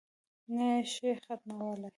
نه یې شي ختمولای.